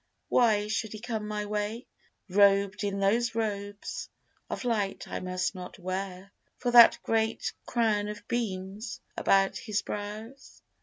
Why should he come my way, Robed in those robes of light I must not wear, With that great crown of beams about his brows?